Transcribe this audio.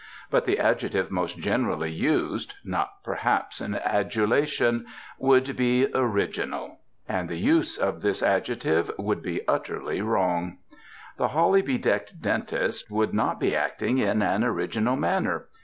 But the adjective most generally used (not perhaps in adulation) would be "original." And the use of this adjective would be utterly wrong. The holly bedecked dentist would not be acting in an original manner.